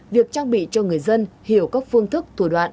việc trang bị cho người dân hiểu các phương thức thủ đoạn